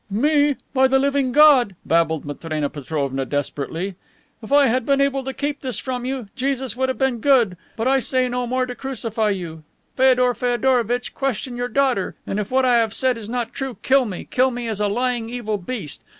"Me! By the living God!" babbled Matrena Petrovna desperately. "If I had been able to keep this from you, Jesus would have been good! But I say no more to crucify you. Feodor Feodorovitch, question your daughter, and if what I have said is not true, kill me, kill me as a lying, evil beast.